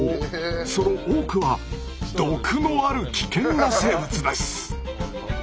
その多くは毒のある危険な生物です。